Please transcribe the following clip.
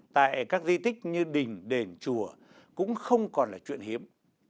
tại các di tích như đình đền chùa cũng không còn là chuyện hiếm